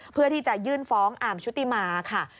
เพื่อที่จะยื่นฟ้องอาร์มชุติมาค่ะ